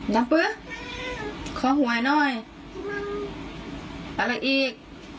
ดำปื๋อขอหัวหน่อยอะไรอีก